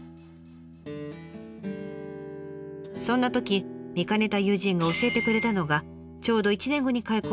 そんなとき見かねた友人が教えてくれたのがちょうど１年後に開校される